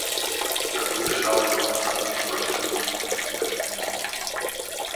امو شال و امو پاشوم ، امی مۉ